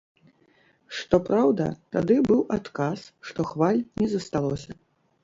Што праўда, тады быў адказ, што хваль не засталося.